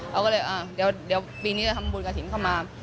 เราก็เลยเดี๋ยวปีนี้จะทำบุญกระถิ่นเข้ามา